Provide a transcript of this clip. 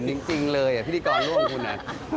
ขื่นจริงเลยพิธีกรร่วมคุณน่ะ